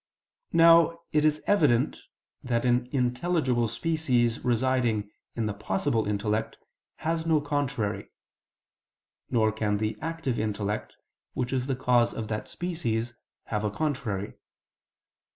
Now it is evident that an intelligible species residing in the "possible" intellect, has no contrary; nor can the active intellect, which is the cause of that species, have a contrary.